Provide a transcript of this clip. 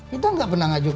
kita nggak pernah ngajukan